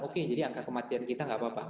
oke jadi angka kematian kita nggak apa apa